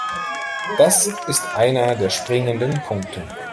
Das ist einer der springenden Punkte.